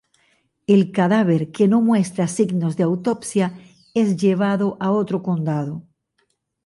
El cadáver, que no muestra signos de autopsia, es llevado a otro condado.